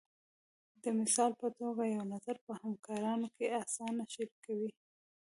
د مثال په توګه یو نظر په همکارانو کې اسانه شریکوئ.